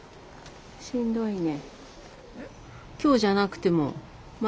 しんどいね。